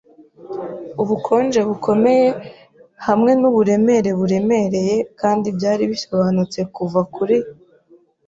ubukonje bukomeye hamwe nuburemere buremereye; kandi byari bisobanutse kuva kuri